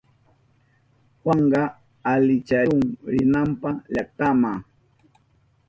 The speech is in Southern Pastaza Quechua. Juanka alicharihun rinanpa llaktama.